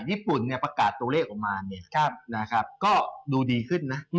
ญี่ปุ่นประกาศตัวเลขออกมาดูดีขึ้น